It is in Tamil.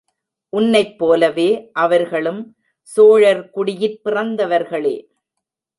உன்னைப் போலவே, அவர்களும் சோழர் குடியிற் பிறந்தவர்களே.